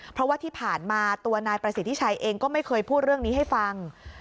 เพราะว่าที่ผ่านมาตัวนายประสิทธิชัยเองก็ไม่เคยพูดเรื่องนี้ให้ฟัง